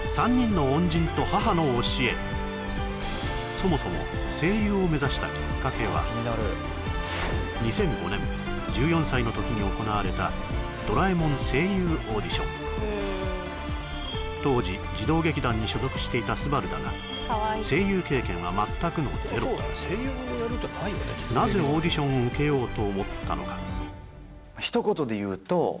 そもそも２００５年１４歳の時に行われた当時児童劇団に所属していた昴だが声優経験は全くのゼロなぜオーディションを受けようと思ったのか？